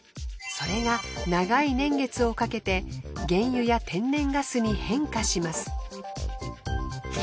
それが長い年月をかけて原油や天然ガスに変化します。